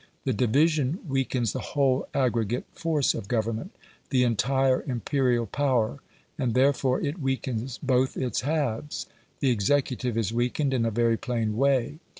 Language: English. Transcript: The division weakens the whole aggregate force of Government the entire imperial power; and therefore it weakens both its halves. The executive is weakened in a very plain way.